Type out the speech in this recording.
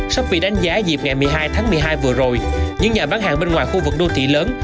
shopee đánh giá dịp ngày một mươi hai tháng một mươi hai vừa rồi những nhà bán hàng bên ngoài khu vực đô thị lớn